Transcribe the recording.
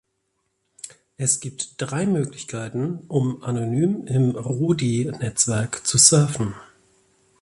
Es gibt drei Möglichkeiten, um anonym im Rodi-Netzwerk zu surfen.